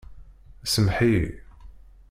Sameḥ-iyi!